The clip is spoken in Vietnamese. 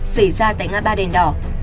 xảy ra tại ngã ba đèn đỏ